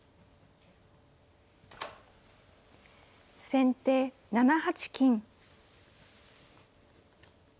先手７八金。